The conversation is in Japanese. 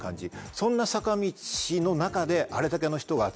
そんな坂道の中であれだけの人が集まる。